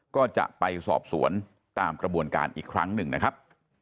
ก็จะไปสอบสวนตามกระบวนการอีกครั้งหนึ่งนะครับ